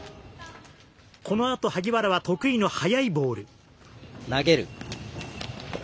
このあと萩原は得意の速いボール。